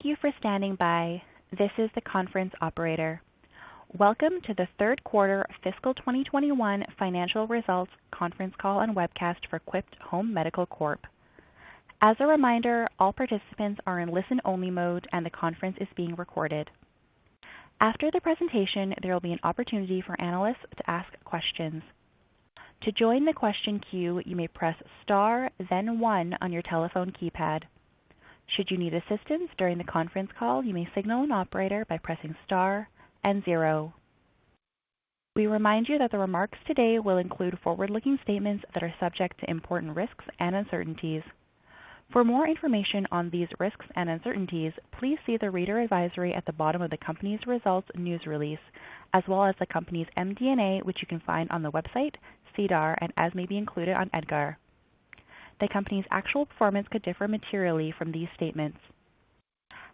Thank you for standing by. This is the conference operator. Welcome to the third quarter fiscal 2021 financial results conference call and webcast for Quipt Home Medical Corp. As a reminder, all participants are in listen-only mode and the conference is being recorded. After the presentation, there will be an opportunity for analysts to ask questions. To join the question queue, you may press star then one on your telephone keypad. Should you need assistance during the conference call, you may signal an operator by pressing star and zero. We remind you that the remarks today will include forward-looking statements that are subject to important risks and uncertainties. For more information on these risks and uncertainties, please see the reader advisory at the bottom of the company's results news release, as well as the company's MD&A, which you can find on the website, SEDAR, and as may be included on EDGAR. The company's actual performance could differ materially from these statements.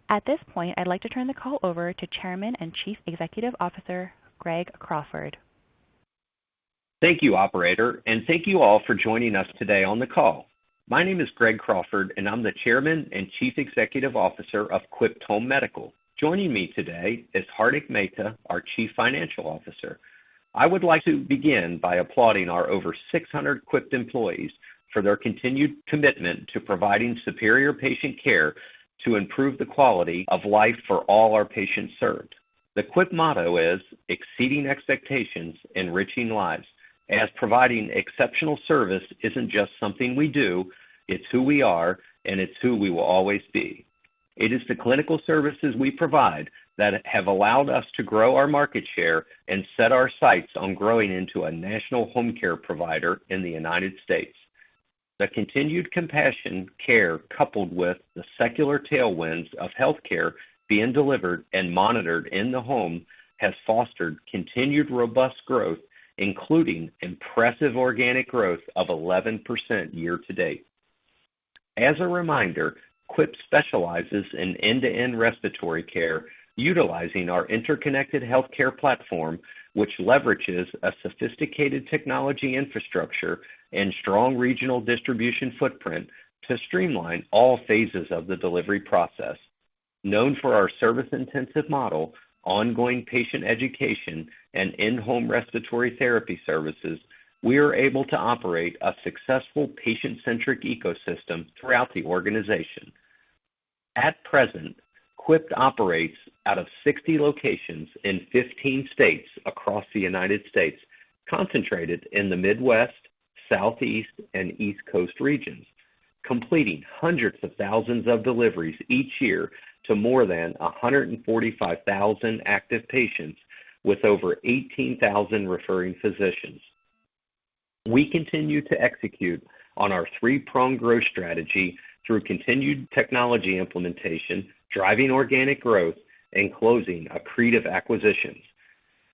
At this point, I'd like to turn the call over to Chairman and Chief Executive Officer, Greg Crawford. Thank you, operator, and thank you all for joining us today on the call. My name is Greg Crawford, and I'm the Chairman and Chief Executive Officer of Quipt Home Medical. Joining me today is Hardik Mehta, our Chief Financial Officer. I would like to begin by applauding our over 600 Quipt employees for their continued commitment to providing superior patient care to improve the quality of life for all our patients served. The Quipt motto is "Exceeding expectations, enriching lives." as providing exceptional service isn't just something we do, it's who we are, and it's who we will always be. It is the clinical services we provide that have allowed us to grow our market share and set our sights on growing into a national home care provider in the United States. The continued compassion care, coupled with the secular tailwinds of healthcare being delivered and monitored in the home, has fostered continued robust growth, including impressive organic growth of 11% year-to-date. As a reminder, Quipt specializes in end-to-end respiratory care utilizing our interconnected healthcare platform, which leverages a sophisticated technology infrastructure and strong regional distribution footprint to streamline all phases of the delivery process. Known for our service-intensive model, ongoing patient education, and in-home respiratory therapy services, we are able to operate a successful patient-centric ecosystem throughout the organization. At present, Quipt operates out of 60 locations in 15 states across the United States, concentrated in the Midwest, Southeast, and East Coast regions, completing hundreds of thousands of deliveries each year to more than 145,000 active patients with over 18,000 referring physicians. We continue to execute on our three-pronged growth strategy through continued technology implementation, driving organic growth, and closing accretive acquisitions.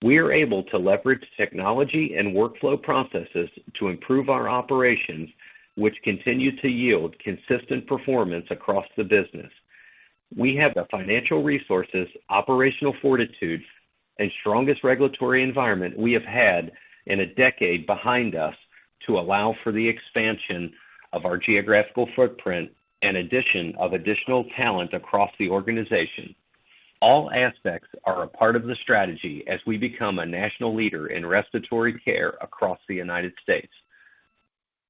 We are able to leverage technology and workflow processes to improve our operations, which continue to yield consistent performance across the business. We have the financial resources, operational fortitude, and strongest regulatory environment we have had in a decade behind us to allow for the expansion of our geographical footprint and addition of additional talent across the organization. All aspects are a part of the strategy as we become a national leader in respiratory care across the United States.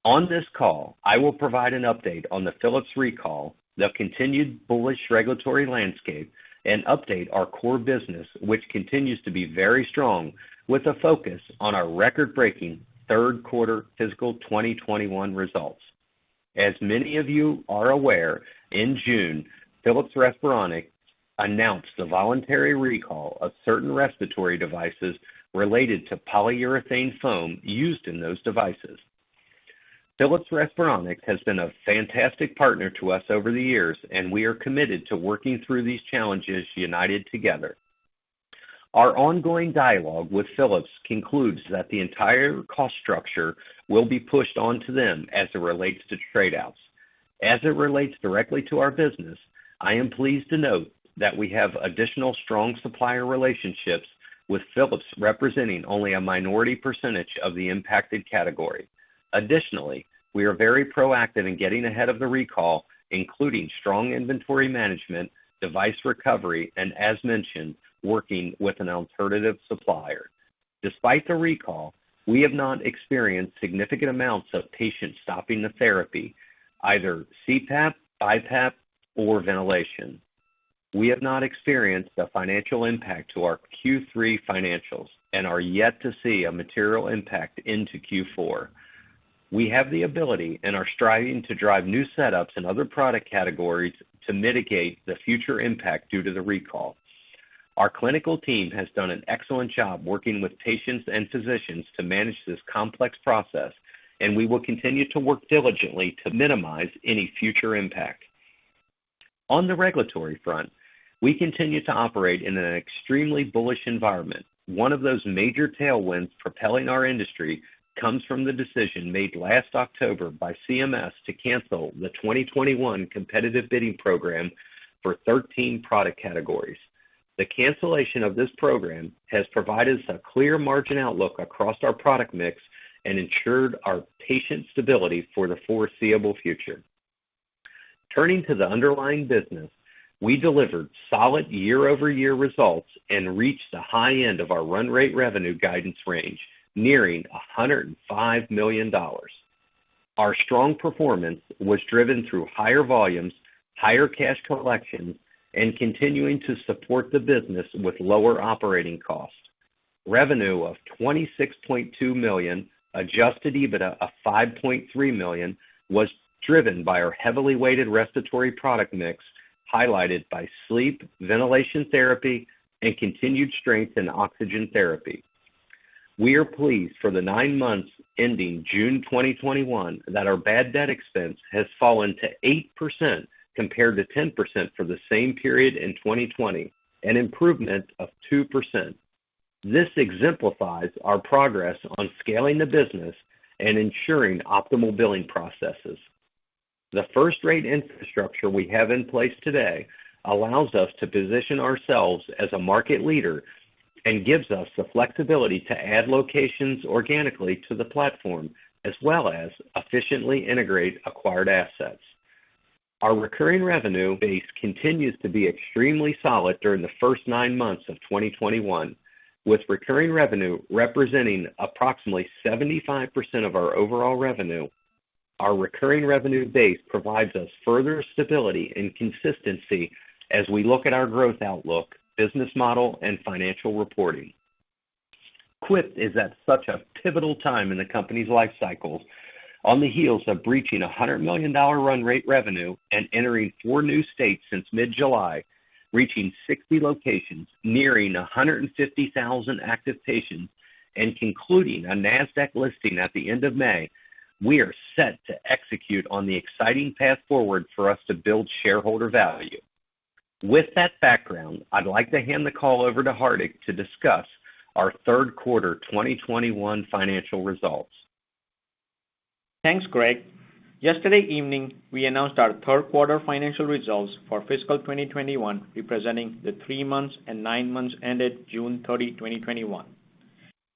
On this call, I will provide an update on the Philips recall, the continued bullish regulatory landscape, and update our core business, which continues to be very strong with a focus on our record-breaking third quarter fiscal 2021 results. As many of you are aware, in June, Philips Respironics announced the voluntary recall of certain respiratory devices related to polyurethane foam used in those devices. Philips Respironics has been a fantastic partner to us over the years, and we are committed to working through these challenges united together. Our ongoing dialogue with Philips concludes that the entire cost structure will be pushed onto them as it relates to trade-outs. As it relates directly to our business, I am pleased to note that we have additional strong supplier relationships, with Philips representing only a minority percentage of the impacted category. Additionally, we are very proactive in getting ahead of the recall, including strong inventory management, device recovery, and as mentioned, working with an alternative supplier. Despite the recall, we have not experienced significant amounts of patients stopping the therapy, either CPAP, BiPAP, or ventilation. We have not experienced a financial impact to our Q3 financials and are yet to see a material impact into Q4. We have the ability and are striving to drive new setups and other product categories to mitigate the future impact due to the recall. Our clinical team has done an excellent job working with patients and physicians to manage this complex process, and we will continue to work diligently to minimize any future impact. On the regulatory front, we continue to operate in an extremely bullish environment. One of those major tailwinds propelling our industry comes from the decision made last October by CMS to cancel the 2021 competitive bidding program for 13 product categories. The cancellation of this program has provided us a clear margin outlook across our product mix and ensured our patient stability for the foreseeable future. Turning to the underlying business, we delivered solid year-over-over results and reached the high end of our run-rate revenue guidance range, nearing $105 million. Our strong performance was driven through higher volumes, higher cash collections, and continuing to support the business with lower operating costs. Revenue of $26.2 million, Adjusted EBITDA of $5.3 million, was driven by our heavily weighted respiratory product mix, highlighted by sleep ventilation therapy and continued strength in oxygen therapy. We are pleased for the nine months ending June 2021 that our bad debt expense has fallen to 8% compared to 10% for the same period in 2020, an improvement of 2%. This exemplifies our progress on scaling the business and ensuring optimal billing processes. The first-rate infrastructure we have in place today allows us to position ourselves as a market leader and gives us the flexibility to add locations organically to the platform, as well as efficiently integrate acquired assets. Our recurring revenue base continues to be extremely solid during the first nine months of 2021, with recurring revenue representing approximately 75% of our overall revenue. Our recurring revenue base provides us further stability and consistency as we look at our growth outlook, business model and financial reporting. Quipt is at such a pivotal time in the company's life cycle. On the heels of breaching $100 million run-rate revenue and entering four new states since mid-July, reaching 60 locations, nearing 150,000 active patients, and concluding a Nasdaq listing at the end of May, we are set to execute on the exciting path forward for us to build shareholder value. With that background, I'd like to hand the call over to Hardik to discuss our third quarter 2021 financial results. Thanks, Greg. Yesterday evening, we announced our third quarter financial results for fiscal 2021, representing the three months and nine months ended June 30, 2021.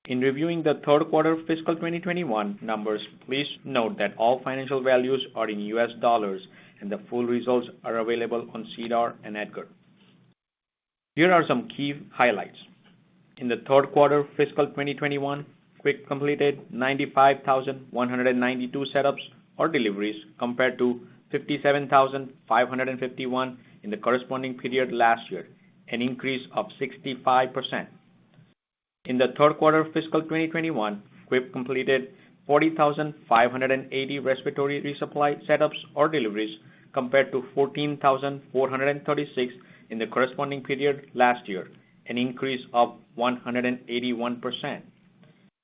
In reviewing the third quarter of fiscal 2021 numbers, please note that all financial values are in US dollars and the full results are available on SEDAR and EDGAR. Here are some key highlights. In the third quarter of fiscal 2021, Quipt completed 95,192 setups or deliveries compared to 57,551 in the corresponding period last year, an increase of 65%. In the third quarter of fiscal 2021, Quipt completed 40,580 respiratory resupply setups or deliveries compared to 14,436 in the corresponding period last year, an increase of 181%.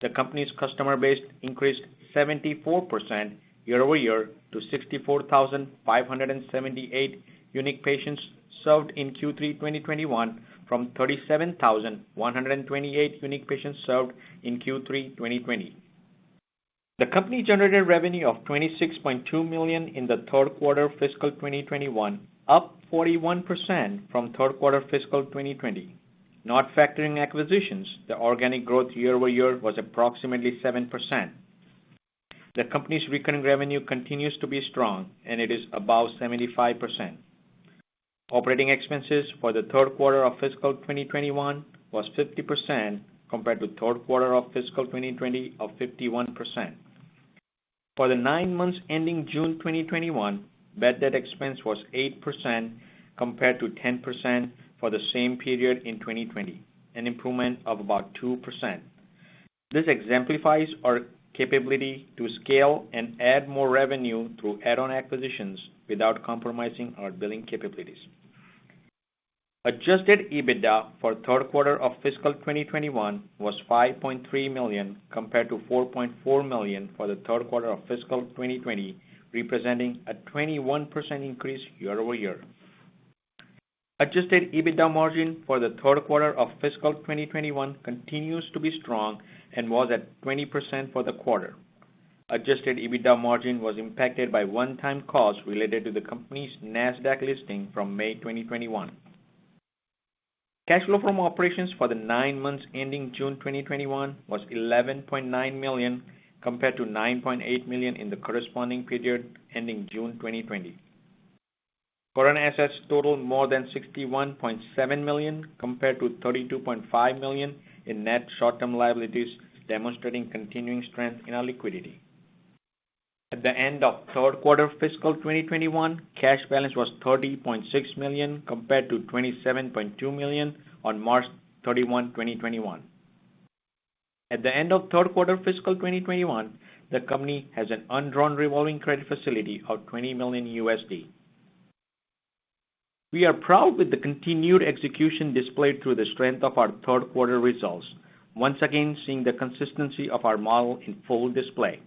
The company's customer base increased 74% year-over-year to 64,578 unique patients served in Q3 2021 from 37,128 unique patients served in Q3 2020. The company generated revenue of $26.2 million in the third quarter fiscal 2021, up 41% from third quarter fiscal 2020. Not factoring acquisitions, the organic growth year-over-year was approximately 7%. The company's recurring revenue continues to be strong, and it is about 75%. Operating expenses for the third quarter of fiscal 2021 was 50% compared to third quarter of fiscal 2020 of 51%. For the nine months ending June 2021, bad debt expense was 8% compared to 10% for the same period in 2020, an improvement of about 2%. This exemplifies our capability to scale and add more revenue through add-on acquisitions without compromising our billing capabilities. Adjusted EBITDA for third quarter of fiscal 2021 was $5.3 million compared to $4.4 million for the third quarter of fiscal 2020, representing a 21% increase year-over-year. Adjusted EBITDA margin for the third quarter of fiscal 2021 continues to be strong and was at 20% for the quarter. Adjusted EBITDA margin was impacted by one-time costs related to the company's Nasdaq listing from May 2021. Cash flow from operations for the nine months ending June 2021 was $11.9 million compared to $9.8 million in the corresponding period ending June 2020. Current assets totaled more than $61.7 million compared to $32.5 million in net short-term liabilities, demonstrating continuing strength in our liquidity. At the end of third quarter fiscal 2021, cash balance was $30.6 million compared to $27.2 million on March 31, 2021. At the end of third quarter fiscal 2021, the company has an undrawn revolving credit facility of $20 million. We are proud with the continued execution displayed through the strength of our third quarter results, once again seeing the consistency of our model in full display.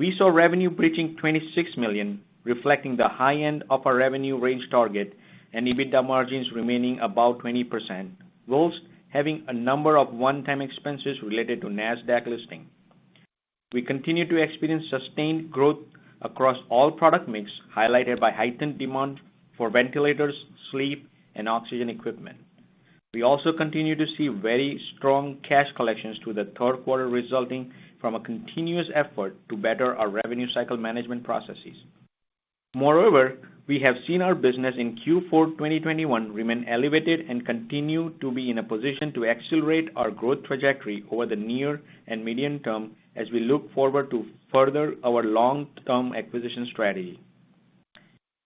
We saw revenue breaching $26 million, reflecting the high end of our revenue range target and EBITDA margins remaining about 20%, whilst having a number of one-time expenses related to Nasdaq listing. We continue to experience sustained growth across all product mix, highlighted by heightened demand for ventilators, sleep, and oxygen equipment. We also continue to see very strong cash collections through the third quarter, resulting from a continuous effort to better our revenue cycle management processes. Moreover, we have seen our business in Q4 2021 remain elevated and continue to be in a position to accelerate our growth trajectory over the near and medium term as we look forward to further our long-term acquisition strategy.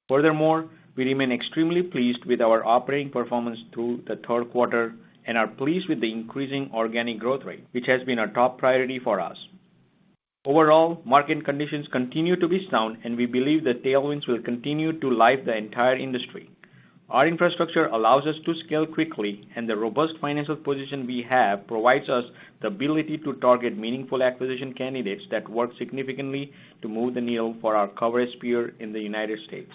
Furthermore, we remain extremely pleased with our operating performance through the third quarter and are pleased with the increasing organic growth rate, which has been a top priority for us. Overall, market conditions continue to be sound, and we believe the tailwinds will continue to lift the entire industry. Our infrastructure allows us to scale quickly, and the robust financial position we have provides us the ability to target meaningful acquisition candidates that work significantly to move the needle for our coverage peer in the United States.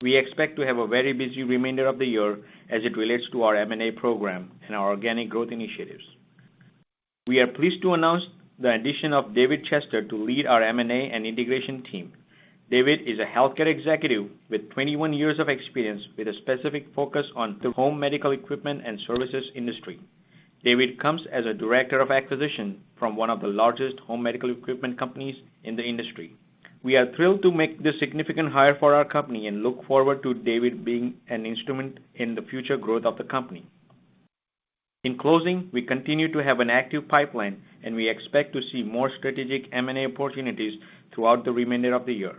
We expect to have a very busy remainder of the year as it relates to our M&A program and our organic growth initiatives. We are pleased to announce the addition of David Chester to lead our M&A and integration team. David is a healthcare executive with 21 years of experience, with a specific focus on the home medical equipment and services industry. David comes as a director of acquisition from one of the largest home medical equipment companies in the industry. We are thrilled to make this significant hire for our company and look forward to David being an instrument in the future growth of the company. In closing, we continue to have an active pipeline, and we expect to see more strategic M&A opportunities throughout the remainder of the year.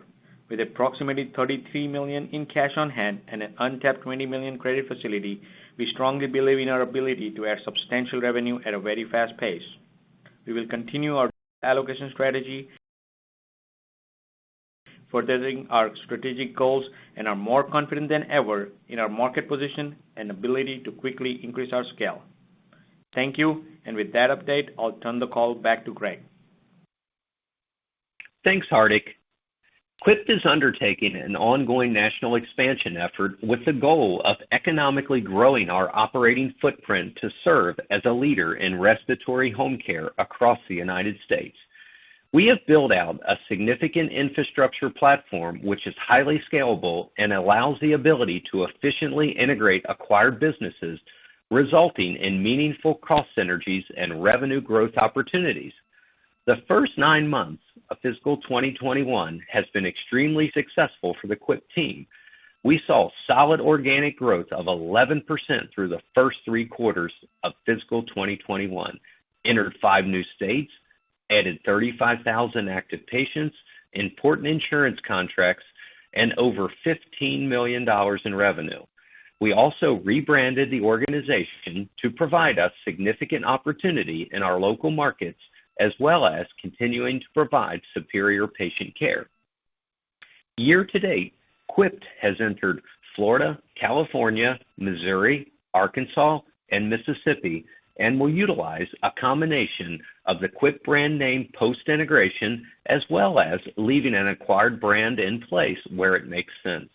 With approximately $33 million in cash on hand and an untapped $20 million credit facility, we strongly believe in our ability to add substantial revenue at a very fast pace. We will continue our allocation strategy, furthering our strategic goals, and are more confident than ever in our market position and ability to quickly increase our scale. Thank you. With that update, I'll turn the call back to Greg. Thanks, Hardik. Quipt is undertaking an ongoing national expansion effort with the goal of economically growing our operating footprint to serve as a leader in respiratory home care across the United States. We have built out a significant infrastructure platform, which is highly scalable and allows the ability to efficiently integrate acquired businesses, resulting in meaningful cost synergies and revenue growth opportunities. The first nine months of fiscal 2021 has been extremely successful for the Quipt team. We saw solid organic growth of 11% through the first three quarters of fiscal 2021, entered five new states, added 35,000 active patients, important insurance contracts, and over $15 million in revenue. We also rebranded the organization to provide us significant opportunity in our local markets, as well as continuing to provide superior patient care. Year-to-date, Quipt has entered Florida, California, Missouri, Arkansas, and Mississippi and will utilize a combination of the Quipt brand name post-integration, as well as leaving an acquired brand in place where it makes sense.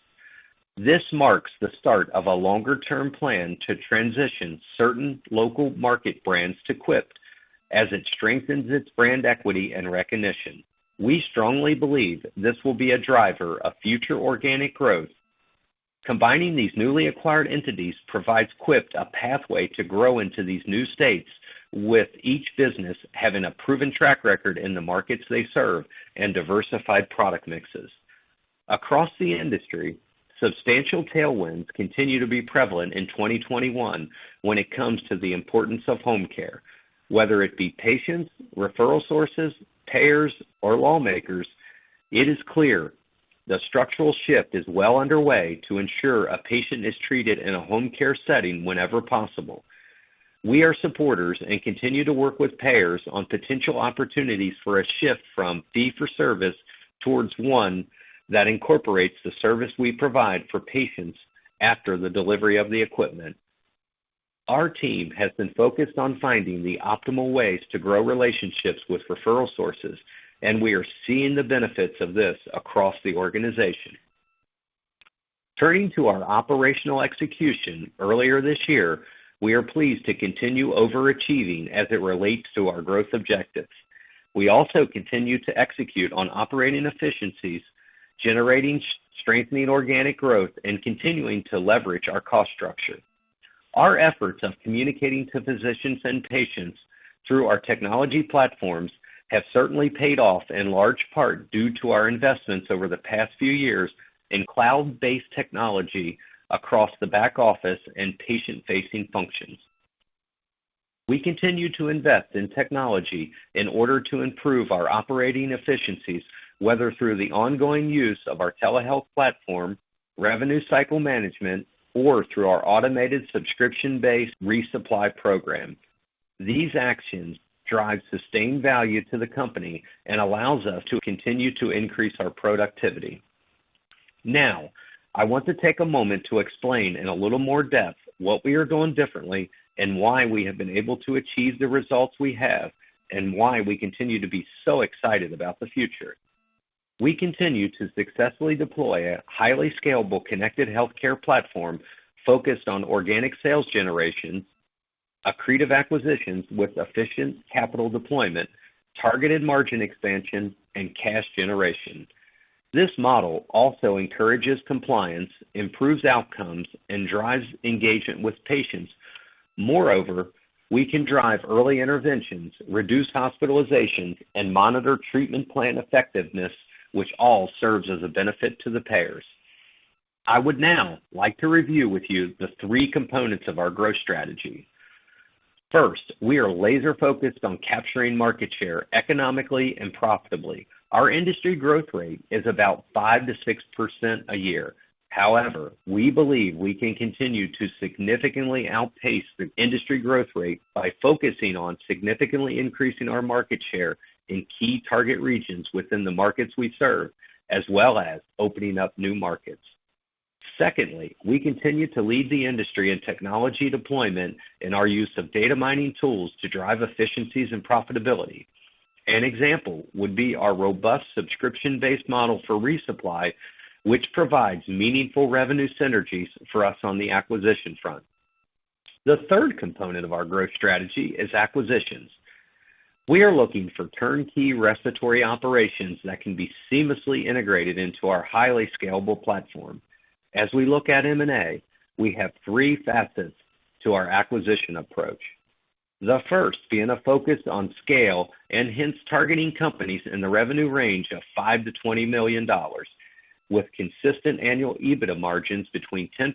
This marks the start of a longer-term plan to transition certain local market brands to Quipt as it strengthens its brand equity and recognition. We strongly believe this will be a driver of future organic growth. Combining these newly acquired entities provides Quipt a pathway to grow into these new states, with each business having a proven track record in the markets they serve and diversified product mixes. Across the industry, substantial tailwinds continue to be prevalent in 2021 when it comes to the importance of home care. Whether it be patients, referral sources, payers, or lawmakers, it is clear the structural shift is well underway to ensure a patient is treated in a home care setting whenever possible. We are supporters and continue to work with payers on potential opportunities for a shift from fee-for-service towards one that incorporates the service we provide for patients after the delivery of the equipment. Our team has been focused on finding the optimal ways to grow relationships with referral sources, and we are seeing the benefits of this across the organization. Turning to our operational execution earlier this year, we are pleased to continue overachieving as it relates to our growth objectives. We also continue to execute on operating efficiencies, generating strengthening organic growth, and continuing to leverage our cost structure. Our efforts of communicating to physicians and patients through our technology platforms have certainly paid off, in large part due to our investments over the past few years in cloud-based technology across the back office and patient-facing functions. We continue to invest in technology in order to improve our operating efficiencies, whether through the ongoing use of our telehealth platform, revenue cycle management, or through our automated subscription-based resupply program. These actions drive sustained value to the company and allows us to continue to increase our productivity. Now, I want to take a moment to explain in a little more depth what we are doing differently and why we have been able to achieve the results we have, and why we continue to be so excited about the future. We continue to successfully deploy a highly scalable connected healthcare platform focused on organic sales generation, accretive acquisitions with efficient capital deployment, targeted margin expansion, and cash generation. This model also encourages compliance, improves outcomes, and drives engagement with patients. Moreover, we can drive early interventions, reduce hospitalizations, and monitor treatment plan effectiveness, which all serves as a benefit to the payers. I would now like to review with you the three components of our growth strategy. First, we are laser-focused on capturing market share economically and profitably. Our industry growth rate is about 5%-6% a year. However, we believe we can continue to significantly outpace the industry growth rate by focusing on significantly increasing our market share in key target regions within the markets we serve, as well as opening up new markets. Secondly, we continue to lead the industry in technology deployment and our use of data mining tools to drive efficiencies and profitability. An example would be our robust subscription-based model for resupply, which provides meaningful revenue synergies for us on the acquisition front. The third component of our growth strategy is acquisitions. We are looking for turnkey respiratory operations that can be seamlessly integrated into our highly scalable platform. As we look at M&A, we have three facets to our acquisition approach. The first being a focus on scale, hence targeting companies in the revenue range of $5 million-$20 million, with consistent annual EBITDA margins between 10%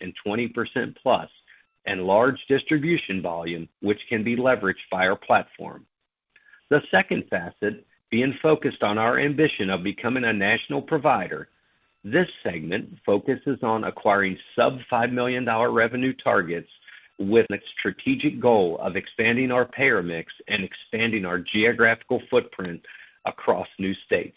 and 20%+, and large distribution volume, which can be leveraged by our platform. The second facet being focused on our ambition of becoming a national provider. This segment focuses on acquiring sub $5 million revenue targets with a strategic goal of expanding our payer mix and expanding our geographical footprint across new states.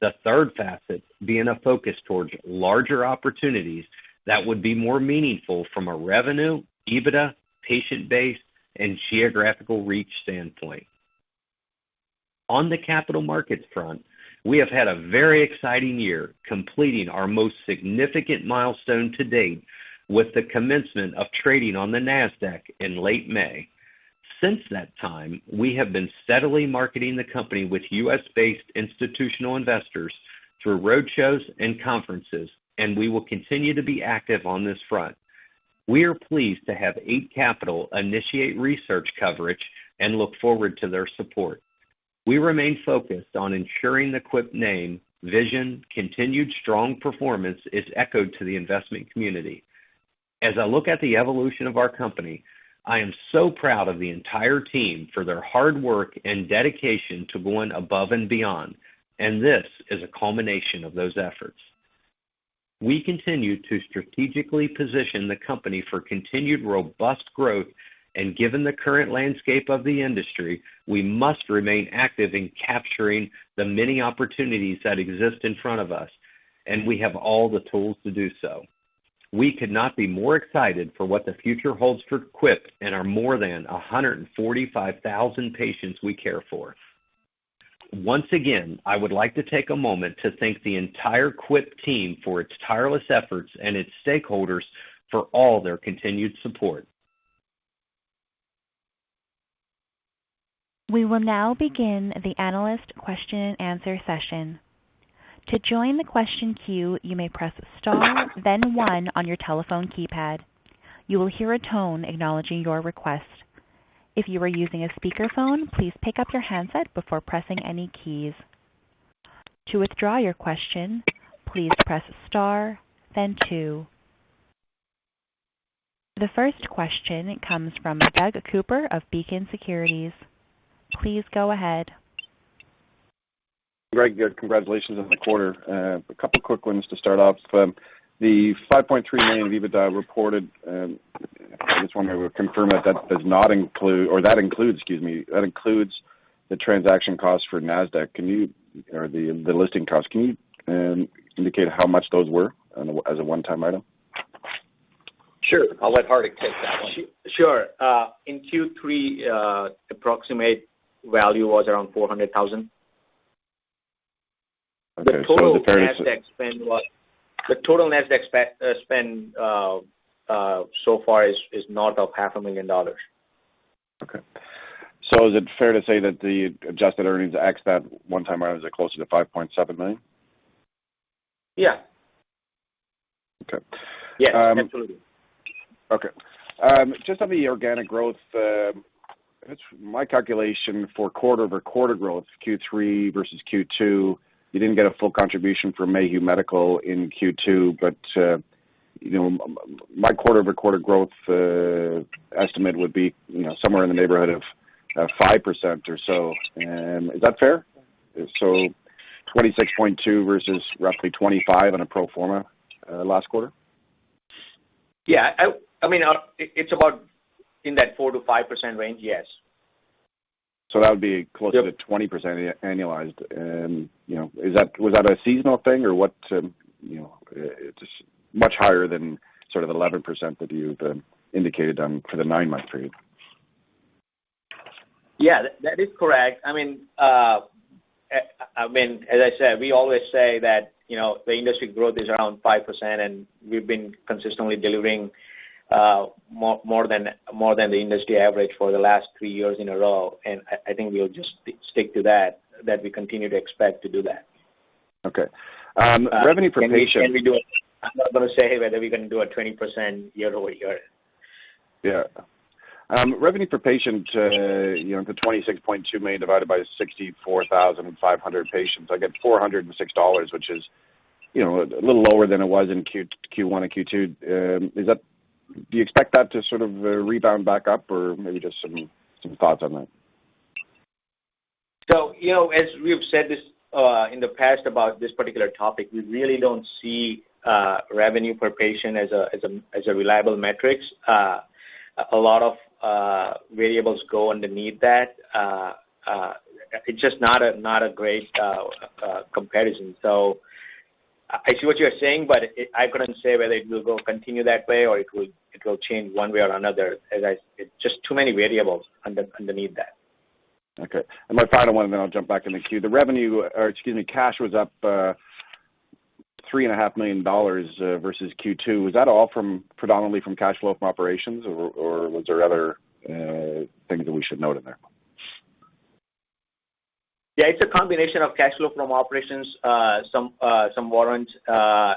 The third facet being a focus towards larger opportunities that would be more meaningful from a revenue, EBITDA, patient base, and geographical reach standpoint. On the capital markets front, we have had a very exciting year, completing our most significant milestone to date with the commencement of trading on the Nasdaq in late May. Since that time, we have been steadily marketing the company with U.S.-based institutional investors through roadshows and conferences, and we will continue to be active on this front. We are pleased to have Eight Capital initiate research coverage and look forward to their support. We remain focused on ensuring the Quipt name, vision, continued strong performance is echoed to the investment community. As I look at the evolution of our company, I am so proud of the entire team for their hard work and dedication to going above and beyond, and this is a culmination of those efforts. We continue to strategically position the company for continued robust growth, and given the current landscape of the industry, we must remain active in capturing the many opportunities that exist in front of us, and we have all the tools to do so. We could not be more excited for what the future holds for Quipt and our more than 145,000 patients we care for. Once again, I would like to take a moment to thank the entire Quipt team for its tireless efforts and its stakeholders for all their continued support. We will now begin the analyst question and answer session. To join the question queue, you may press star, then one on your telephone keypad. You will hear a tone acknowledging your request. If you are using a speakerphone, please pick up your handset before pressing any keys. To withdraw your question, please press star, then two. The first question comes from Doug Cooper of Beacon Securities. Please go ahead. Greg, congratulations on the quarter. A couple quick ones to start off. The $5.3 million of EBITDA reported, I just wonder, we confirm that includes the transaction cost for Nasdaq. The listing cost. Can you indicate how much those were as a one-time item? Sure. I'll let Hardik take that one. Sure. In Q3, approximate value was around $400,000. Okay. The total Nasdaq spend so far is north of half a million dollars. Okay. Is it fair to say that the adjusted earnings, ex that one time item, is it closer to $5.7 million? Yeah. Okay. Yeah, absolutely. Just on the organic growth, my calculation for quarter-over-quarter growth, Q3 versus Q2, you didn't get a full contribution from Mayhugh Medical in Q2, but my quarter-over-quarter growth estimate would be somewhere in the neighborhood of 5% or so. Is that fair? 26.2 versus roughly 25 on a pro forma, last quarter? Yeah. It's about in that 4%-5% range, yes. That would be closer to 20% annualized. Was that a seasonal thing? It's much higher than sort of 11% that you've indicated on for the nine-month period. Yeah, that is correct. As I said, we always say that the industry growth is around 5%, and we've been consistently delivering more than the industry average for the last three years in a row. I think we'll just stick to that we continue to expect to do that. Okay. Revenue per patient. I'm not going to say whether we're going to do a 20% year-over-year. Yeah. Revenue per patient, the $26.2 million divided by 64,500 patients, I get $406, which is a little lower than it was in Q1 and Q2. Do you expect that to rebound back up, maybe just some thoughts on that? As we have said this in the past about this particular topic, we really don't see revenue per patient as a reliable metric. A lot of variables go underneath that. It's just not a great comparison. I see what you're saying, but I couldn't say whether it will go continue that way or it will change one way or another. As I said, just too many variables underneath that. Okay. My final one, then I'll jump back in the queue. The revenue, or excuse me, cash was up three and a half million dollars versus Q2. Was that all predominantly from cash flow from operations, or was there other things that we should note in there? It's a combination of cash flow from operations, some warrant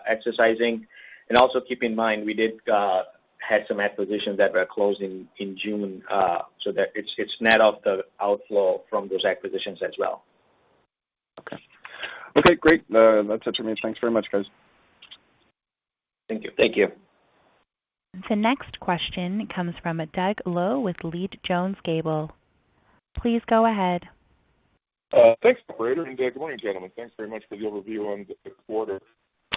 exercising, and also keep in mind, we did have some acquisitions that were closed in June, so that it's net of the outflow from those acquisitions as well. Okay. Okay, great. That's it for me. Thanks very much, guys. Thank you. Thank you. The next question comes from Doug Loe with Leede Jones Gable. Please go ahead. Thanks, operator, and good morning, gentlemen. Thanks very much for the overview on the quarter.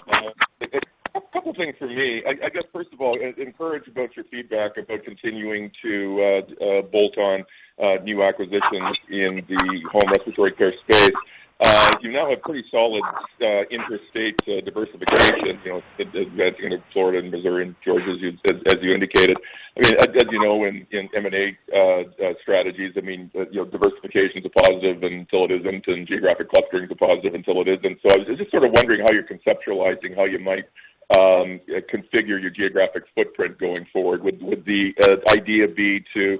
A couple things from me. I guess first of all, encouraged about your feedback about continuing to bolt on new acquisitions in the home respiratory care space. You now have pretty solid interstate diversification, as you indicated, Florida and Missouri and Georgia, as you indicated. As you know, in M&A strategies, diversification's a positive until it isn't, and geographic clustering's a positive until it isn't. I was just sort of wondering how you're conceptualizing how you might configure your geographic footprint going forward. Would the idea be to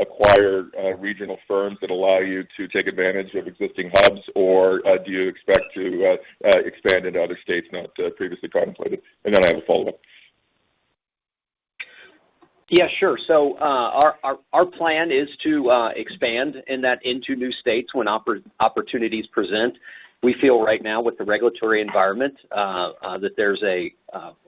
acquire regional firms that allow you to take advantage of existing hubs, or do you expect to expand into other states not previously contemplated? I have a follow-up. Yeah, sure. Our plan is to expand in that into new states when opportunities present. We feel right now with the regulatory environment, that there's a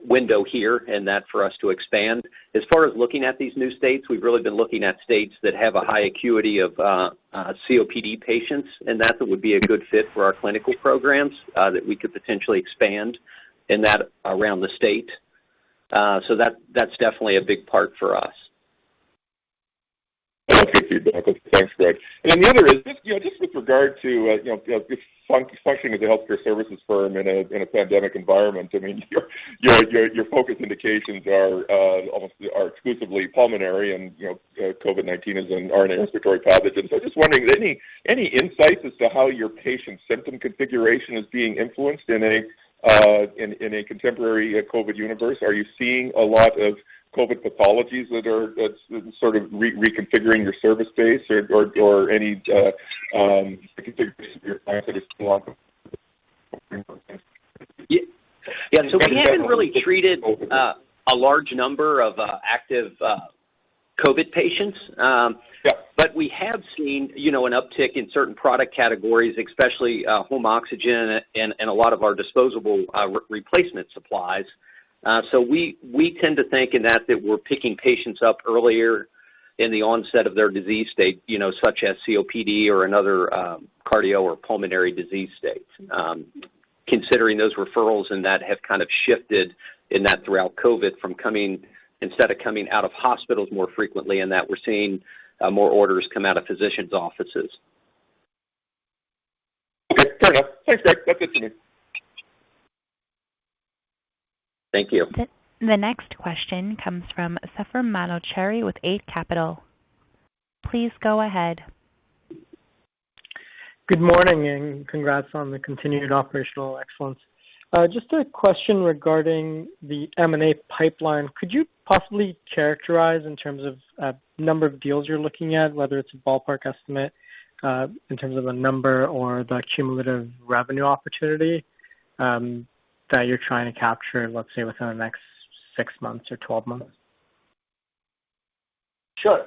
window here in that for us to expand. As far as looking at these new states, we've really been looking at states that have a high acuity of COPD patients, and that would be a good fit for our clinical programs, that we could potentially expand in that around the state. That's definitely a big part for us. Okay, feedback. Thanks, Greg. The other is, just with regard to functioning as a healthcare services firm in a pandemic environment, I mean, your focus indications are exclusively pulmonary, and COVID-19 is an RNA respiratory pathogen. I'm just wondering, any insights as to how your patient symptom configuration is being influenced in a contemporary COVID universe? Are you seeing a lot of COVID pathologies that are sort of reconfiguring your service base or any reconfiguration of your plan that is going on? Yeah. We haven't really treated a large number of active COVID patients. Yeah. We have seen an uptick in certain product categories, especially home oxygen and a lot of our disposable replacement supplies. We tend to think in that we're picking patients up earlier in the onset of their disease state, such as COPD or another cardio or pulmonary disease state. Considering those referrals in that have kind of shifted in that throughout COVID from instead of coming out of hospitals more frequently, in that we're seeing more orders come out of physicians' offices. Okay, fair enough. Thanks, Greg. That's it for me. Thank you. The next question comes from Rahul Sarugaser with iA Capital Markets. Please go ahead. Good morning, and congrats on the continued operational excellence. Just a question regarding the M&A pipeline. Could you possibly characterize in terms of number of deals you're looking at, whether it's a ballpark estimate, in terms of a number or the cumulative revenue opportunity, that you're trying to capture, let's say, within the next six months or 12 months? Sure.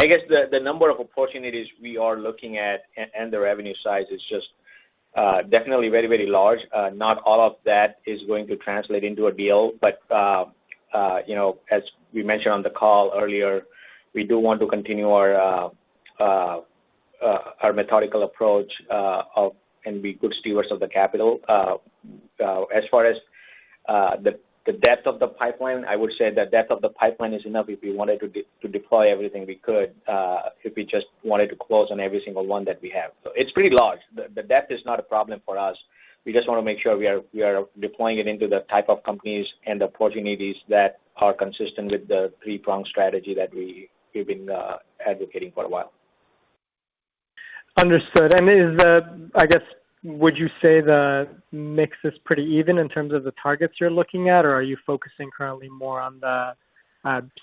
I guess the number of opportunities we are looking at and the revenue size is just definitely very large. Not all of that is going to translate into a deal. As we mentioned on the call earlier, we do want to continue our methodical approach and be good stewards of the capital. As far as the depth of the pipeline, I would say the depth of the pipeline is enough if we wanted to deploy everything we could, if we just wanted to close on every single one that we have. It's pretty large. The depth is not a problem for us. We just want to make sure we are deploying it into the type of companies and the opportunities that are consistent with the three-pronged strategy that we've been advocating for a while. Understood. Would you say the mix is pretty even in terms of the targets you're looking at, or are you focusing currently more on the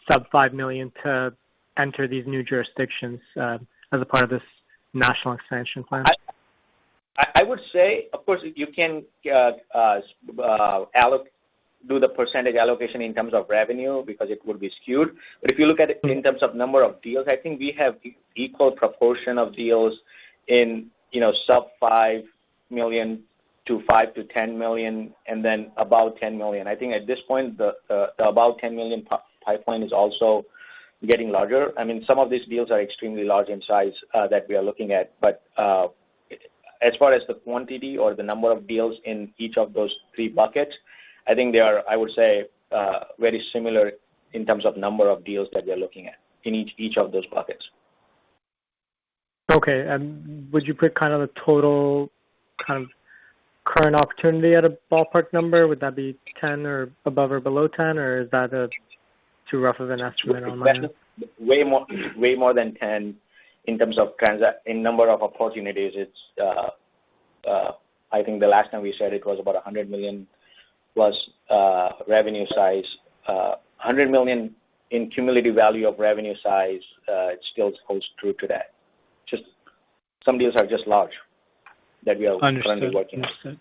sub $5 million to enter these new jurisdictions as a part of this national expansion plan? I would say, of course, you can do the percentage allocation in terms of revenue because it would be skewed. If you look at it in terms of number of deals, I think we have equal proportion of deals in sub $5 million -$5 million-$10 million, and then above $10 million. I think at this point, the above $10 million pipeline is also getting larger. Some of these deals are extremely large in size that we are looking at. As far as the quantity or the number of deals in each of those 3 buckets, I think they are, I would say, very similar in terms of number of deals that we are looking at in each of those buckets. Okay. Would you put the total current opportunity at a ballpark number? Would that be 10 or above or below 10, or is that too rough of an estimate on that? Way more than 10 in terms of number of opportunities. I think the last time we said it was about $100+ million revenue size, $100 million in cumulative value of revenue size, it still holds true to that. Just some deals are just large that we are currently working on.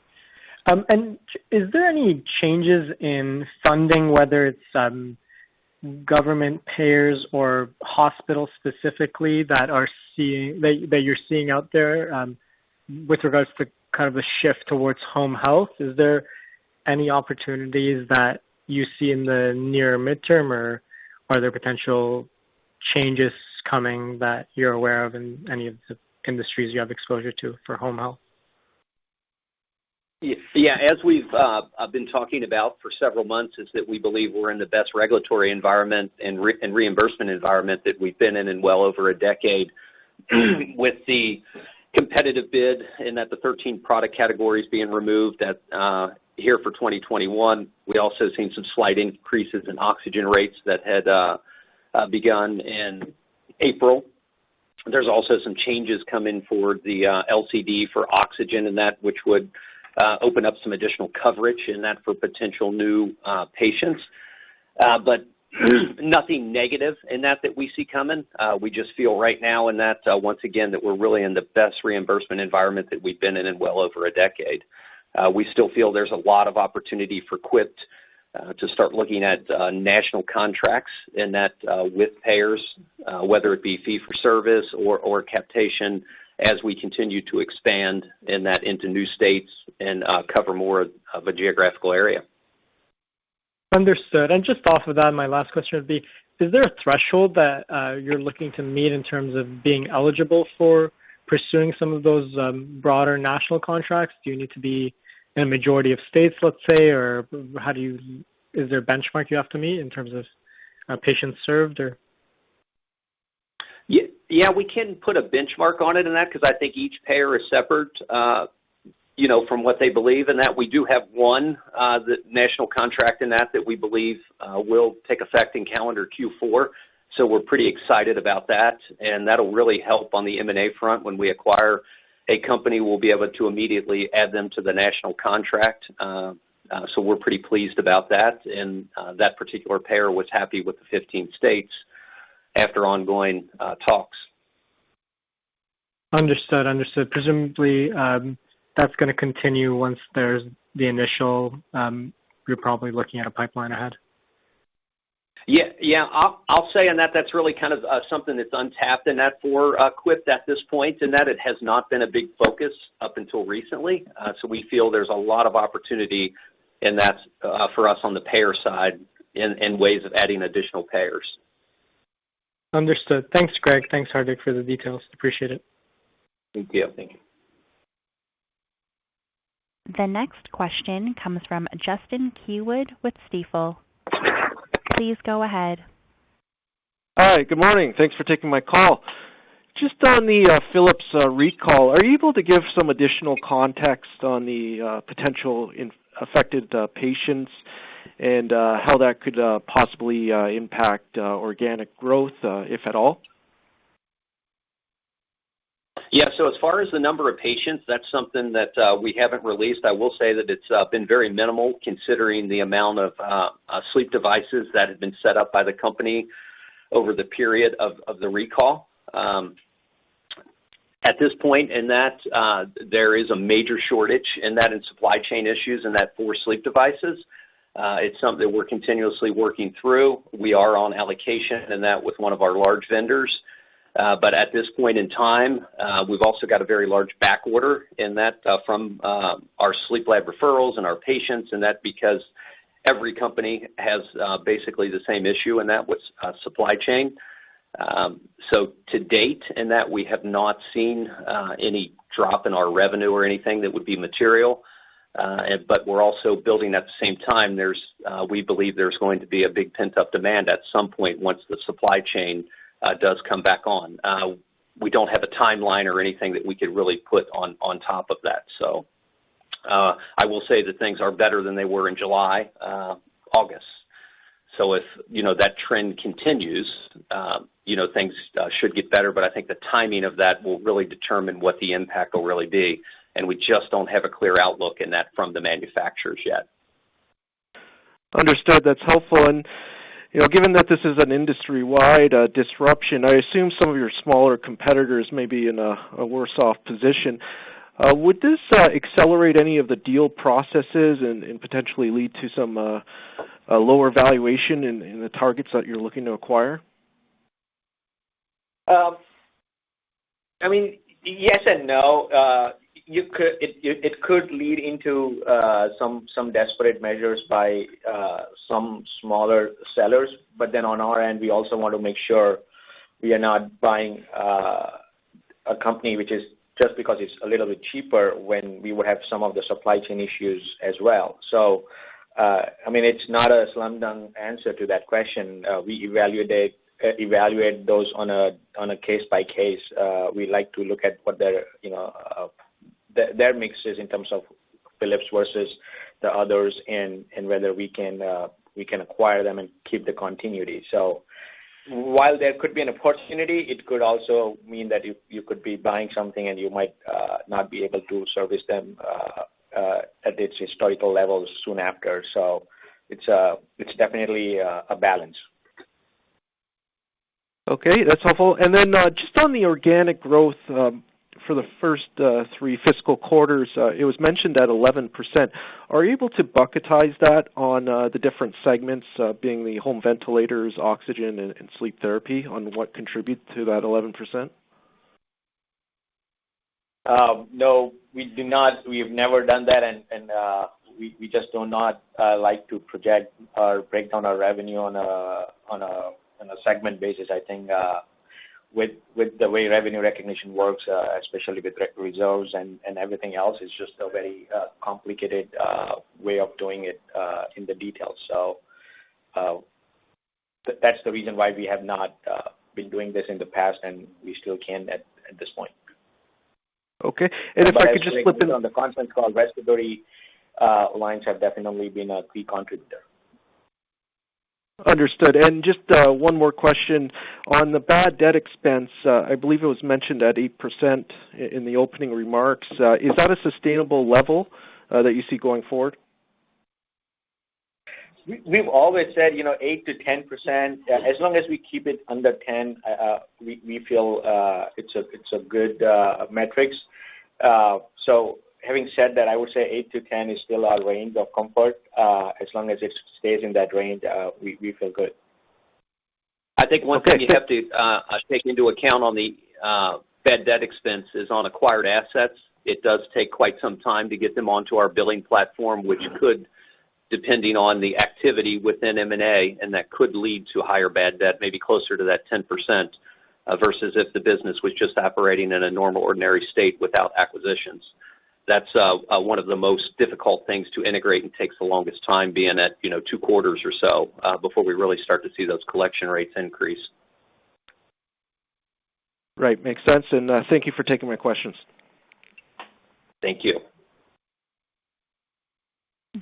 Understood. Is there any changes in funding, whether it's government payers or hospitals specifically that you're seeing out there, with regards to the shift towards home health? Is there any opportunities that you see in the near midterm, or are there potential changes coming that you're aware of in any of the industries you have exposure to for home health? Yeah. As we've been talking about for several months, is that we believe we're in the best regulatory environment and reimbursement environment that we've been in in well over a decade with the competitive bid and that the 13 product categories being removed here for 2021. We also have seen some slight increases in oxygen rates that had begun in April. There's also some changes coming for the LCD for oxygen and that which would open up some additional coverage in that for potential new patients. Nothing negative in that that we see coming. We just feel right now in that, once again, that we're really in the best reimbursement environment that we've been in in well over a decade. We still feel there's a lot of opportunity for Quipt to start looking at national contracts with payers, whether it be fee-for-service or capitation as we continue to expand into new states and cover more of a geographical area. Understood. Just off of that, my last question would be, is there a threshold that you're looking to meet in terms of being eligible for pursuing some of those broader national contracts? Do you need to be in a majority of states, let's say? Is there a benchmark you have to meet in terms of patients served or? Yeah, we can put a benchmark on it in that because I think each payer is separate from what they believe in that. We do have one national contract in that we believe will take effect in calendar Q4. We're pretty excited about that, and that'll really help on the M&A front. When we acquire a company, we'll be able to immediately add them to the national contract. We're pretty pleased about that, and that particular payer was happy with the 15 states after ongoing talks. Understood. Presumably, that's going to continue once there's the initial. You're probably looking at a pipeline ahead. I'll say on that's really kind of something that's untapped in that for Quipt at this point, in that it has not been a big focus up until recently. We feel there's a lot of opportunity in that for us on the payer side and ways of adding additional payers. Understood. Thanks, Greg. Thanks, Hardik, for the details. Appreciate it. Thank you. Thank you. The next question comes from Justin Keywood with Stifel. Please go ahead. Hi. Good morning. Thanks for taking my call. Just on the Philips recall, are you able to give some additional context on the potential affected patients and how that could possibly impact organic growth, if at all? As far as the number of patients, that's something that we haven't released. I will say that it's been very minimal considering the amount of sleep devices that have been set up by the company over the period of the recall. At this point, there is a major shortage and supply chain issues for sleep devices. It's something we're continuously working through. We are on allocation with one of our large vendors. At this point in time, we've also got a very large back order from our sleep lab referrals and our patients because every company has basically the same issue with supply chain. To date, we have not seen any drop in our revenue or anything that would be material. We're also building at the same time, we believe there's going to be a big pent-up demand at some point once the supply chain does come back on. We don't have a timeline or anything that we could really put on top of that. I will say that things are better than they were in July, August. So if that trend continues, things should get better. I think the timing of that will really determine what the impact will really be, and we just don't have a clear outlook in that from the manufacturers yet. Understood. That's helpful. Given that this is an industry-wide disruption, I assume some of your smaller competitors may be in a worse off position. Would this accelerate any of the deal processes and potentially lead to some lower valuation in the targets that you're looking to acquire? Yes and no. It could lead into some desperate measures by some smaller sellers. On our end, we also want to make sure we are not buying a company, just because it's a little bit cheaper, when we would have some of the supply chain issues as well. It's not a slam dunk answer to that question. We evaluate those on a case by case. We like to look at what their mix is in terms of Philips versus the others and whether we can acquire them and keep the continuity. While there could be an opportunity, it could also mean that you could be buying something and you might not be able to service them at its historical levels soon after. It's definitely a balance. Okay. That's helpful. Just on the organic growth, for the first three fiscal quarters, it was mentioned at 11%. Are you able to bucketize that on the different segments, being the home ventilators, oxygen, and sleep therapy on what contributes to that 11%? No, we do not. We have never done that, and we just do not like to project or break down our revenue on a segment basis. I think, with the way revenue recognition works, especially with direct reserves and everything else, it's just a very complicated way of doing it in the details. That's the reason why we have not been doing this in the past, and we still can't at this point. Okay. I can say on the conference call, respiratory lines have definitely been a key contributor. Understood. Just one more question. On the bad debt expense, I believe it was mentioned at 8% in the opening remarks. Is that a sustainable level that you see going forward? We've always said 8%-10%. As long as we keep it under 10%, we feel it's a good metric. Having said that, I would say 8%-10% is still our range of comfort. As long as it stays in that range, we feel good. I think one thing you have to take into account on the bad debt expense is on acquired assets. It does take quite some time to get them onto our billing platform, which could, depending on the activity within M&A, and that could lead to higher bad debt, maybe closer to that 10%, versus if the business was just operating in a normal, ordinary state without acquisitions. That's one of the most difficult things to integrate and takes the longest time being at two quarters or so, before we really start to see those collection rates increase. Right. Makes sense. Thank you for taking my questions. Thank you.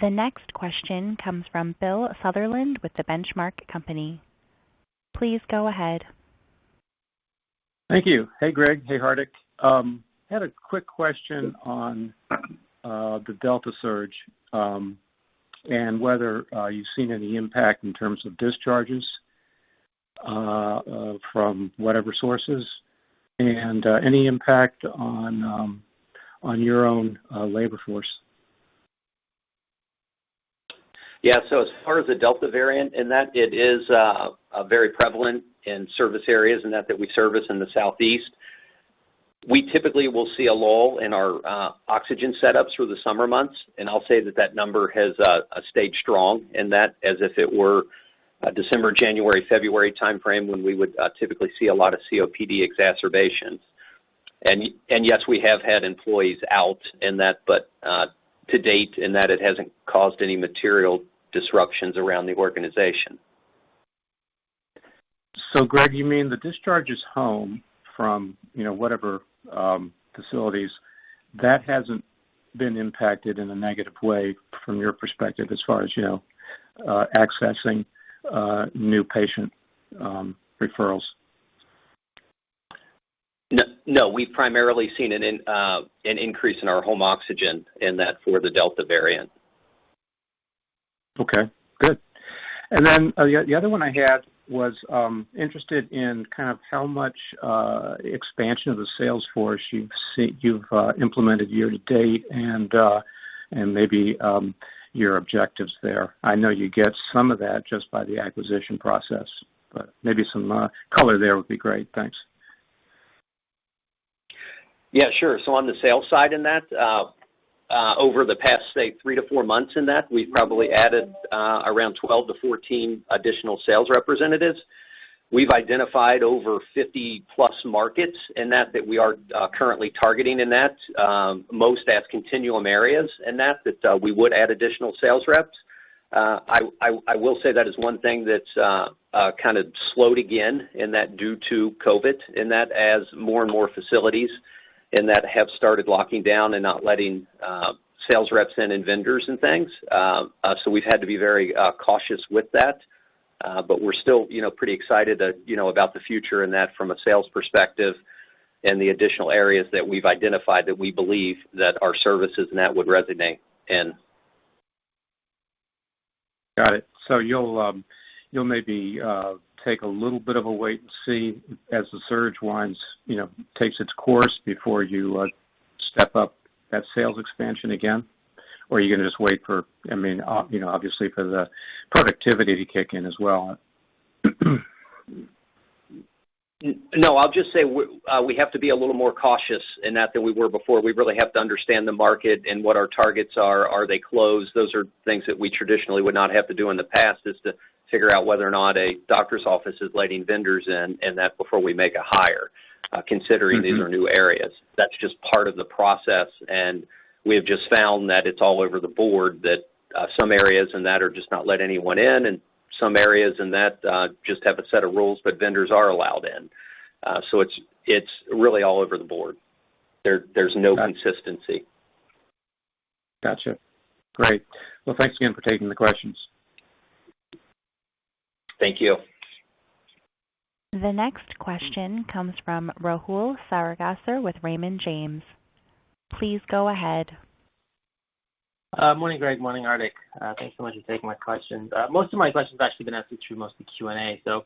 The next question comes from Bill Sutherland with The Benchmark Company. Please go ahead. Thank you. Hey, Greg. Hey, Hardik. I had a quick question on the Delta surge, and whether you've seen any impact in terms of discharges from whatever sources, and any impact on your own labor force. Yeah. As far as the Delta variant and that, it is very prevalent in service areas and that we service in the Southeast. We typically will see a lull in our oxygen setups through the summer months, and I'll say that that number has stayed strong in that as if it were a December, January, February timeframe when we would typically see a lot of COPD exacerbations. Yes, we have had employees out in that, to date, it hasn't caused any material disruptions around the organization. Greg, you mean the discharges home from whatever facilities, that hasn't been impacted in a negative way from your perspective as far as accessing new patient referrals? No. We've primarily seen an increase in our home oxygen in that for the Delta variant. Okay, good. The other one I had was, interested in kind of how much expansion of the sales force you've implemented year-to-date and maybe your objectives there. I know you get some of that just by the acquisition process, but maybe some color there would be great. Thanks. Yeah, sure. On the sales side in that, over the past, say, three-four months in that, we've probably added around 12-14 additional sales representatives. We've identified over 50+ markets in that we are currently targeting in that. Most as continuum areas in that we would add additional sales reps. I will say that is one thing that's kind of slowed again in that due to COVID, in that as more and more facilities and that have started locking down and not letting sales reps in and vendors and things. We've had to be very cautious with that. We're still pretty excited about the future and that from a sales perspective and the additional areas that we've identified that we believe that our services and that would resonate in. Got it. You'll maybe take a little bit of a wait and see as the surge winds, takes its course before you step up that sales expansion again? Are you going to just wait for, obviously, for the productivity to kick in as well? No, I'll just say we have to be a little more cautious in that than we were before. We really have to understand the market and what our targets are. Are they closed? Those are things that we traditionally would not have to do in the past, is to figure out whether or not a doctor's office is letting vendors in, and that before we make a hire, considering these are new areas. That's just part of the process, and we have just found that it's all over the board, that some areas and that are just not letting anyone in, and some areas and that just have a set of rules that vendors are allowed in. It's really all over the board. There's no consistency. Got you. Great. Well, thanks again for taking the questions. Thank you. The next question comes from Rahul Sarugaser with Raymond James. Please go ahead. Morning, Greg. Morning, Hardik. Thanks so much for taking my questions. Most of my questions have actually been answered through most of the Q&A, so,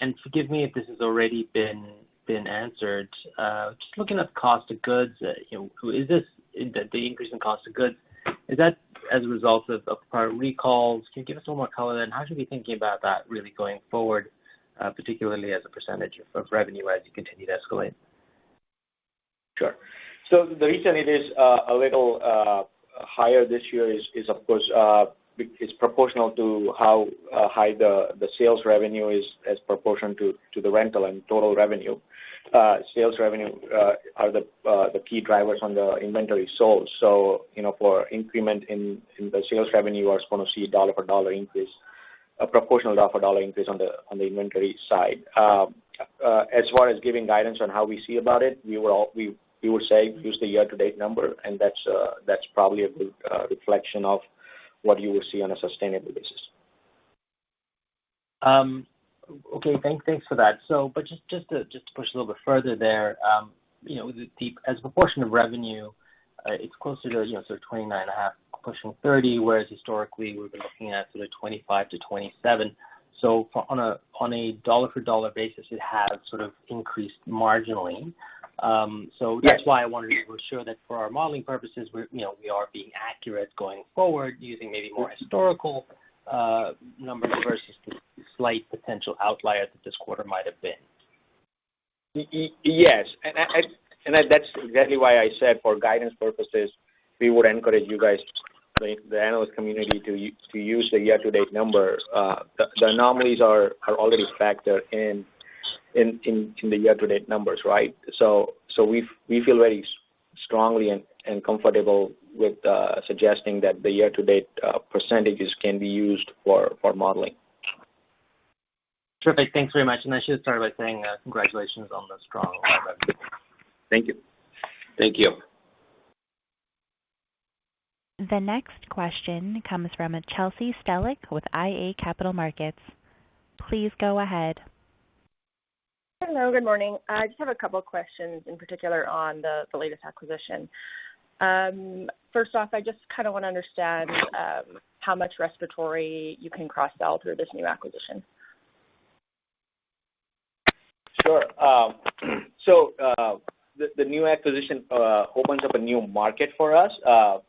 and forgive me if this has already been answered. Just looking at the cost of goods, the increase in cost of goods, is that as a result of prior recalls? Can you give us a little more color then? How should we be thinking about that really going forward, particularly as a percentage of revenue as you continue to escalate? Sure. The reason it is a little higher this year is of course, it's proportional to how high the sales revenue is as proportion to the rental and total revenue. Sales revenue are the key drivers on the inventory sold. For increment in the sales revenue, you are going to see dollar for dollar increase, a proportional dollar for dollar increase on the inventory side. As far as giving guidance on how we see about it, we would say use the year-to-date number, and that's probably a good reflection of what you will see on a sustainable basis. Okay. Thanks for that. Just to push a little bit further there, as a proportion of revenue, it's closer to 29.5%, pushing 30%, whereas historically, we've been looking at sort of 25%-27%. On a dollar for dollar basis, it has sort of increased marginally. Yes. That's why I wanted to ensure that for our modeling purposes, we are being accurate going forward using maybe more historical numbers versus the slight potential outlier that this quarter might have been. Yes. That's exactly why I said for guidance purposes, we would encourage you guys, the analyst community, to use the year-to-date number. The anomalies are already factored in the year-to-date numbers, right? We feel very strongly and comfortable with suggesting that the year-to-date percentages can be used for modeling. Terrific. Thanks very much. I should start by saying congratulations on the strong revenue. Thank you. Thank you. The next question comes from Chelsea Stellick with iA Capital Markets. Please go ahead. Hello, good morning. I just have a couple questions in particular on the latest acquisition. First off, I just kind of want to understand how much respiratory you can cross-sell through this new acquisition. Sure. The new acquisition opens up a new market for us. At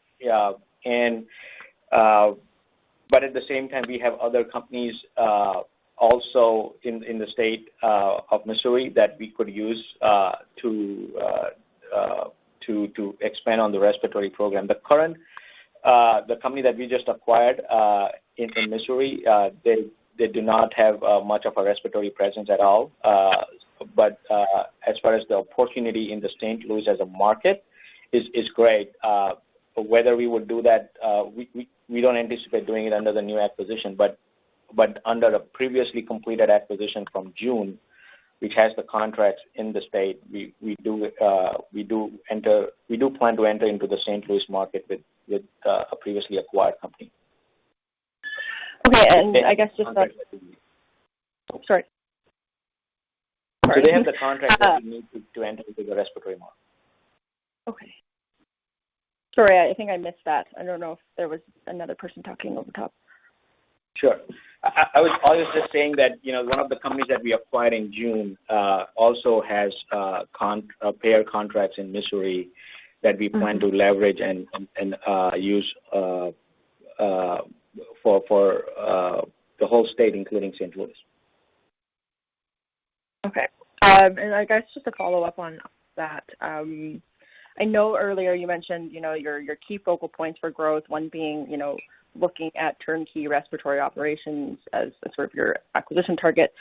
the same time, we have other companies also in the state of Missouri that we could use to expand on the respiratory program. The company that we just acquired, in Missouri, they do not have much of a respiratory presence at all. As far as the opportunity in St. Louis as a market, it's great. Whether we would do that, we don't anticipate doing it under the new acquisition, but under a previously completed acquisition from June, which has the contracts in the state, we do plan to enter into the St. Louis market with a previously acquired company. Okay. I guess just that Sorry. They have the contract that we need to enter into the respiratory market. Okay. Sorry, I think I missed that. I don't know if there was another person talking over the top. Sure. I was just saying that one of the companies that we acquired in June also has payer contracts in Missouri that we plan to leverage and use for the whole state, including St. Louis. Okay. I guess just to follow up on that, I know earlier you mentioned your key focal points for growth, one being looking at turnkey respiratory operations as sort of your acquisition target.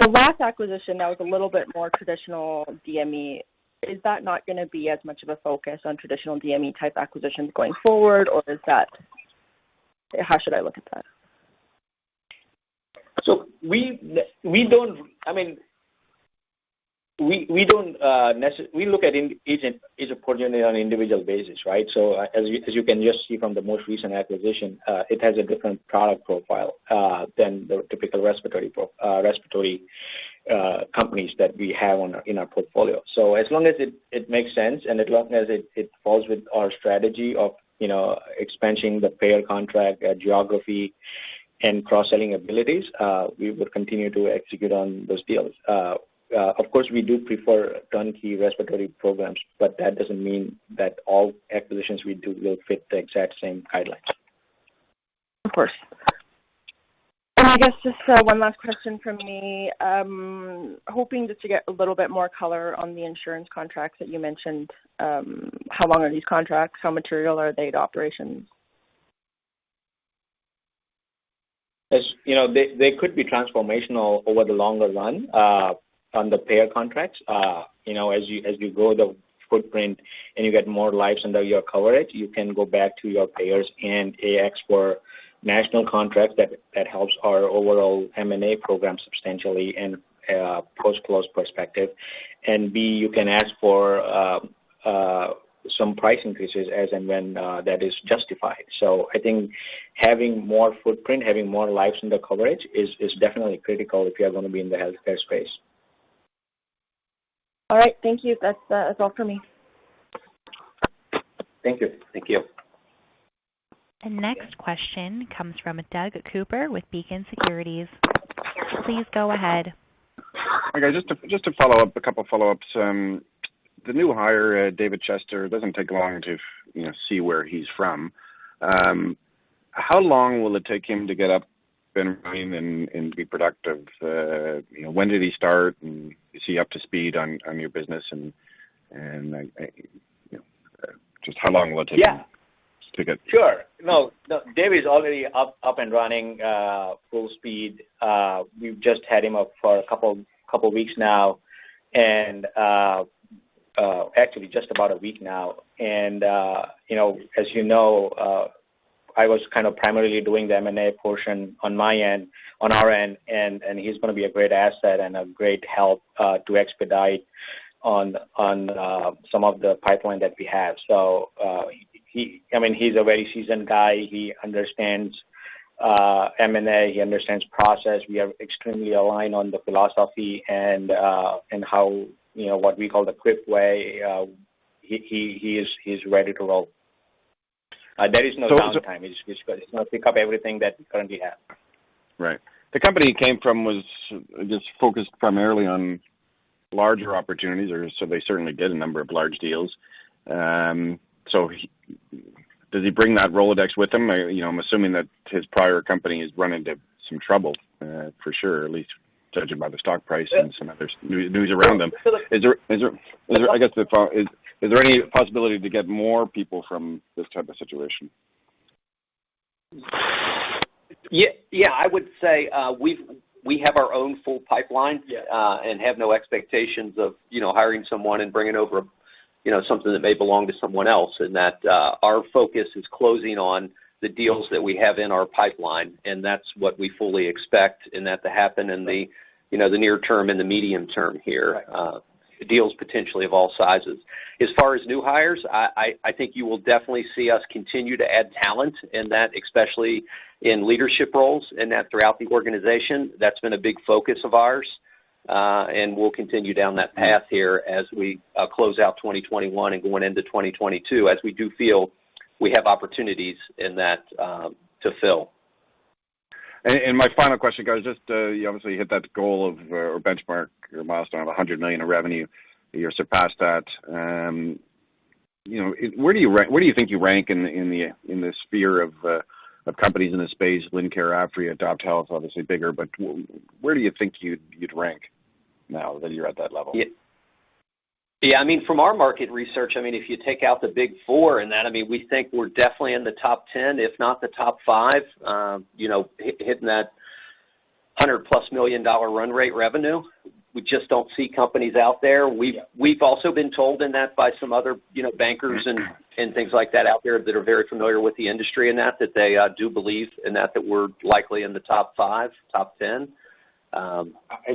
The last acquisition, that was a little bit more traditional DME. Is that not going to be as much of a focus on traditional DME type acquisitions going forward, or how should I look at that? We look at each opportunity on an individual basis, right? As you can just see from the most recent acquisition, it has a different product profile than the typical respiratory companies that we have in our portfolio. As long as it makes sense, and as long as it falls with our strategy of expanding the payer contract, geography, and cross-selling abilities, we will continue to execute on those deals. Of course, we do prefer turnkey respiratory programs, but that doesn't mean that all acquisitions we do will fit the exact same guidelines. Of course. I guess just one last question from me. Hoping just to get a little bit more color on the insurance contracts that you mentioned. How long are these contracts? How material are they to operations? They could be transformational over the longer run on the payer contracts. As you grow the footprint and you get more lives under your coverage, you can go back to your payers and ask for national contracts that helps our overall M&A program substantially in a post-close perspective. B, you can ask for some price increases as and when that is justified. I think having more footprint, having more lives under coverage, is definitely critical if you're going to be in the healthcare space. All right. Thank you. That's all for me. Thank you. Thank you. The next question comes from Doug Cooper with Beacon Securities. Please go ahead. Okay. Just a couple of follow-ups. The new hire, David Chester, doesn't take long to see where he's from. How long will it take him to get up and running and be productive? When did he start, and is he up to speed on your business? Just how long will it take him- Yeah just to get- Sure. No, David's already up and running, full speed. We've just had him up for a couple of weeks now, and, actually just about 1 week now. As you know, I was kind of primarily doing the M&A portion on my end, on our end, and he's going to be a great asset and a great help, to expedite on some of the pipeline that we have. I mean, he's a very seasoned guy. He understands M&A, he understands process. We are extremely aligned on the philosophy and how, what we call the Quipt way. He's ready to roll. There is no downtime. He's going to pick up everything that we currently have. Right. The company he came from was just focused primarily on larger opportunities or so they certainly did a number of large deals. Does he bring that Rolodex with him? I'm assuming that his prior company has run into some trouble for sure, at least judging by the stock price and some other news around them. Is there any possibility to get more people from this type of situation? Yeah. I would say, we have our own full pipeline- Yeah Have no expectations of hiring someone and bringing over something that may belong to someone else. That our focus is closing on the deals that we have in our pipeline, and that's what we fully expect, and that to happen in the near term and the medium term here. Right. Deals potentially of all sizes. As far as new hires, I think you will definitely see us continue to add talent, and that especially in leadership roles and that throughout the organization. That's been a big focus of ours. We'll continue down that path here as we close out 2021 and going into 2022, as we do feel we have opportunities in that to fill. My final question, guys, just, you obviously hit that goal or benchmark, your milestone of $100 million of revenue. You surpassed that. Where do you think you rank in the sphere of companies in the space? Lincare, Apria, Doctors Health, obviously bigger, but where do you think you'd rank now that you're at that level? Yeah. I mean, from our market research, if you take out the big four in that, we think we're definitely in the top 10, if not the top five. Hitting that $100+ million run-rate revenue, we just don't see companies out there. Yeah. We've also been told in that by some other bankers and things like that out there that are very familiar with the industry and that they do believe in that we're likely in the top five, top 10. I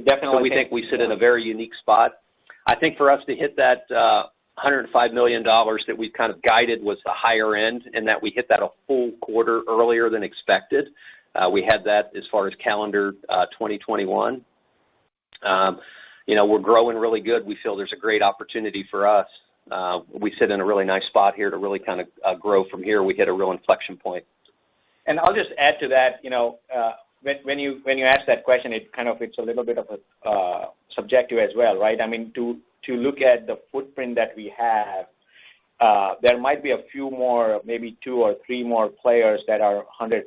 definitely think- We think we sit in a very unique spot. I think for us to hit that $105 million that we've kind of guided was the higher end, and that we hit that a full quarter earlier than expected. We hit that as far as calendar 2021. We're growing really good. We feel there's a great opportunity for us. We sit in a really nice spot here to really grow from here. We hit a real inflection point. I'll just add to that. When you asked that question, it's a little bit subjective as well, right? I mean, to look at the footprint that we have, there might be a few more, maybe two or three more players that are 100+,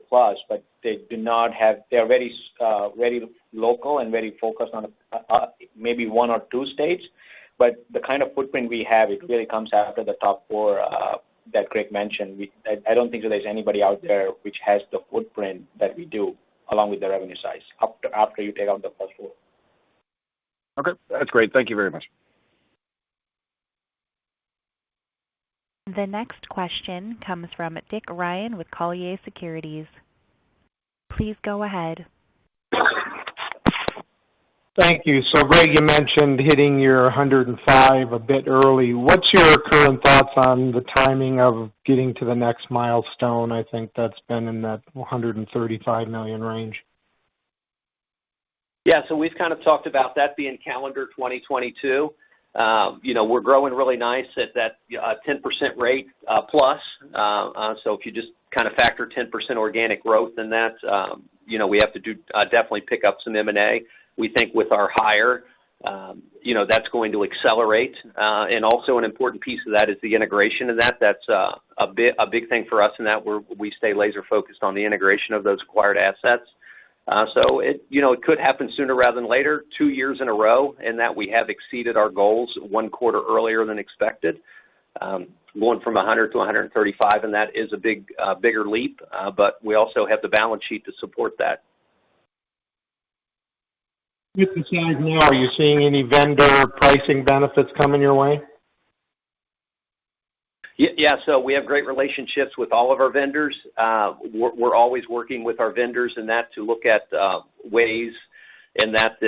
but they're very local and very focused on maybe one or two states. The kind of footprint we have, it really comes after the top four that Greg mentioned. I don't think that there's anybody out there which has the footprint that we do along with the revenue size, after you take out the first four. Okay. That's great. Thank you very much. The next question comes from Dick Ryan with Colliers Securities. Please go ahead. Thank you. Greg, you mentioned hitting your $105 a bit early. What's your current thoughts on the timing of getting to the next milestone? I think that's been in that $135 million range. Yeah. We've kind of talked about that being calendar 2022. We're growing really nice at that 10% rate plus. If you just kind of factor 10% organic growth in that, we have to definitely pick up some M&A. We think with our hire, that's going to accelerate. Also an important piece of that is the integration of that. That's a big thing for us in that we stay laser focused on the integration of those acquired assets. It could happen sooner rather than later, two years in a row, in that we have exceeded our goals one quarter earlier than expected. Going from 100-135, and that is a bigger leap, but we also have the balance sheet to support that. Just in size now, are you seeing any vendor pricing benefits coming your way? Yeah. We have great relationships with all of our vendors. We're always working with our vendors in that to look at ways in that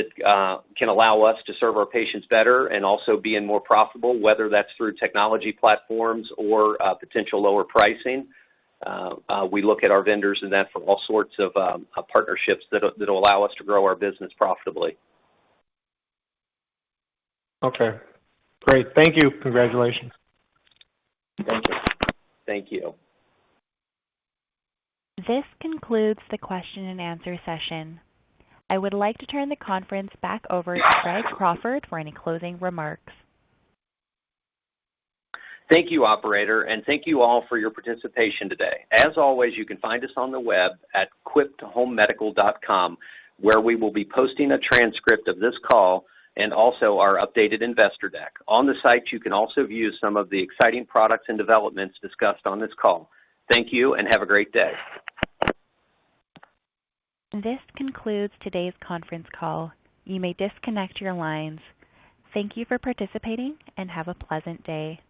can allow us to serve our patients better and also being more profitable, whether that's through technology platforms or potential lower pricing. We look at our vendors in that for all sorts of partnerships that'll allow us to grow our business profitably. Okay, great. Thank you. Congratulations. Thank you. This concludes the question and answer session. I would like to turn the conference back over to Greg Crawford for any closing remarks. Thank you, operator, and thank you all for your participation today. As always, you can find us on the web at quipthomemedical.com, where we will be posting a transcript of this call and also our updated investor deck. On the site, you can also view some of the exciting products and developments discussed on this call. Thank you and have a great day. This concludes today's conference call. You may disconnect your lines. Thank you for participating and have a pleasant day.